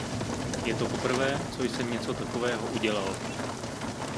Je to poprvé, co jsem něco takového udělal.